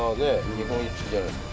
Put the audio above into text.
日本一じゃないですか